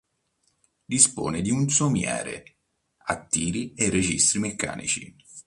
Dispone di un somiere a tiro e registri meccanici.